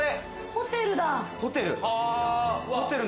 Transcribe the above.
ホテルだ！